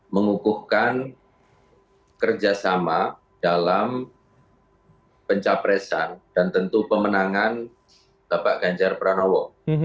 mengukuhkan kerjasama dalam pencapresan dan tentu pemenangan bapak ganjar pranowo